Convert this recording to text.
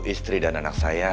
istri dan anak saya